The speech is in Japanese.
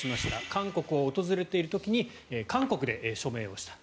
韓国を訪れている時に韓国で署名をした。